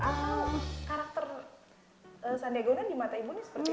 atau karakter sandi agunan di mata ibu seperti apa